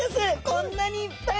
こんなにいっぱい！